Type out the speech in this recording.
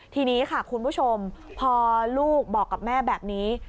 ทีนี้ค่ะคุณผู้ชมพอลูกบอกกับแม่แบบนี้